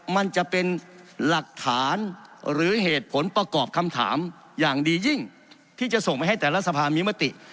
มันจะเป็นหลักฐานหรือเหตุผลประกอบคำถามอย่างดียิ่งที่จะส่งไปให้แต่ละสภามีมติ